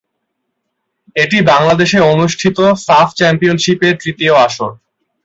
এটি বাংলাদেশে অনুষ্ঠিত সাফ চ্যাম্পিয়নশীপের তৃতীয় আসর।